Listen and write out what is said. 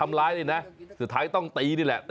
เอาล่ะเดินทางมาถึงในช่วงไฮไลท์ของตลอดกินในวันนี้แล้วนะครับ